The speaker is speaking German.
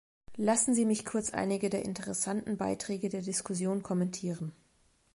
Lassen Sie mich kurz einige der interessanten Beiträge der Diskussion kommentieren.